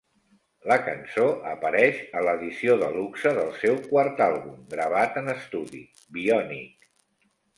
La cançó apareix a l'edició de luxe del seu quart àlbum gravat en estudi: "Bionic".